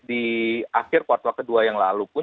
di akhir kuartal kedua yang lalu pun